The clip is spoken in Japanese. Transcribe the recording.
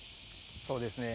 そうですね。